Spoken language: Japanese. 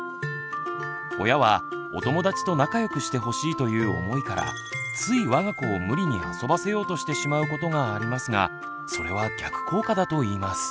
親は「お友達と仲良くしてほしい」という思いからついわが子を無理に遊ばせようとしてしまうことがありますがそれは逆効果だといいます。